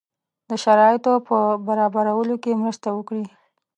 د شرایطو په برابرولو کې مرسته وکړي.